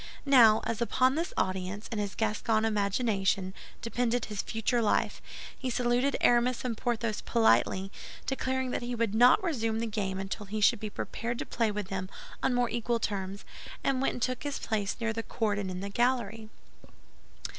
Now, as upon this audience, in his Gascon imagination, depended his future life, he saluted Aramis and Porthos politely, declaring that he would not resume the game until he should be prepared to play with them on more equal terms, and went and took his place near the cord and in the gallery.